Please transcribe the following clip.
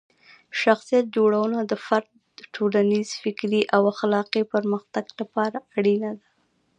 شخصیت جوړونه د فرد د ټولنیز، فکري او اخلاقي پرمختګ لپاره اړینه ده.